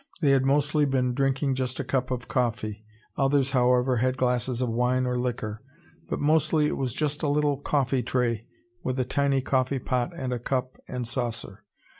They had mostly been drinking just a cup of coffee others however had glasses of wine or liquor. But mostly it was just a little coffee tray with a tiny coffee pot and a cup and saucer.